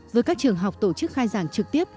với các trường học tổ chức khai giảng trực tiếp